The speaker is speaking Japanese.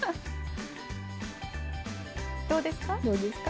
どうですか？